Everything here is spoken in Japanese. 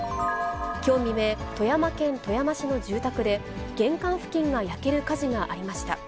きょう未明、富山県富山市の住宅で、玄関付近が焼ける火事がありました。